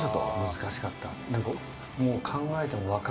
難しかった何か。